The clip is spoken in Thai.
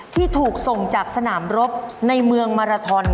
ที่ถูกส่งจากสนามรบในเมืองมาราทอน